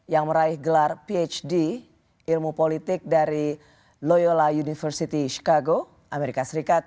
yang meraih gelar phd ilmu politik dari loyola university chicago amerika serikat